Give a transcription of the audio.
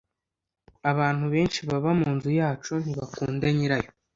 Abantu benshi baba munzu yacu ntibakunda nyirayo